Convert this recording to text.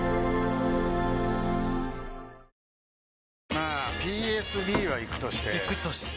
まあＰＳＢはイクとしてイクとして？